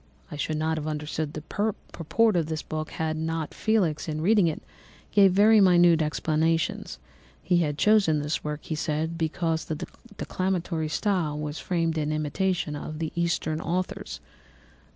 I should not have understood the purport of this book had not Felix, in reading it, given very minute explanations. He had chosen this work, he said, because the declamatory style was framed in imitation of the Eastern authors.